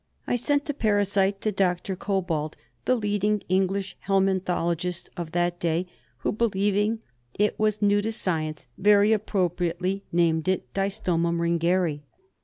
I sent the parasite to Dr. Cobbold, the leading English helminthologist of that day, who, believ ing it was new to science, very appropriately named it Distomum ringeri.